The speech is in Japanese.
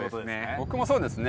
僕もそうですね。